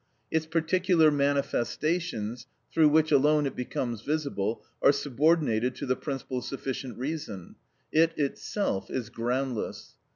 Its particular manifestations, through which alone it becomes visible, are subordinated to the principle of sufficient reason; it itself is groundless.